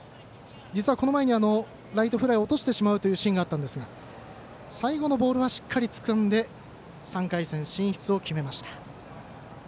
実はこの前にライトフライを落としてしまうというシーンがあったんですが最後のボールはしっかりつかんで３回戦進出を決めました。